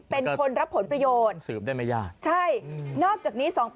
เป็นคนรับผลประโยชน์